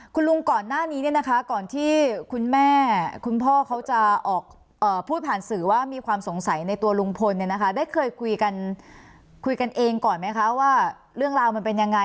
คุณลุงก่อนหน้านี้เนี่ยนะคะก่อนที่คุณแม่คุณพ่อเขาจะออกพูดผ่านสื่อว่ามีความสงสัยในตัวลุงพลเนี่ยนะคะได้เคยคุยกันคุยกันเองก่อนไหมคะว่าเรื่องราวมันเป็นยังไง